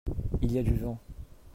il y a du vent.